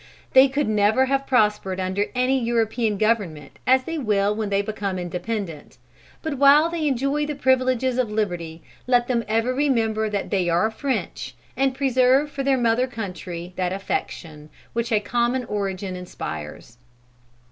They could never have prospered under any European government, as they will when they become independent. But while they enjoy the privileges of liberty, let them ever remember that they are French, and preserve for their mother country that affection, which a common origin inspires."